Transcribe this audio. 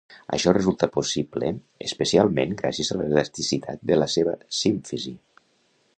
Això resulta possible especialment gràcies a l'elasticitat de la seva símfisi.